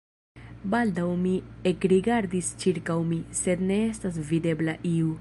Baldaŭ mi ekrigardis ĉirkaŭ mi, sed ne estas videbla iu.